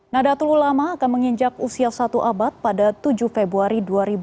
nadatul ulama akan menginjak usia satu abad pada tujuh februari dua ribu dua puluh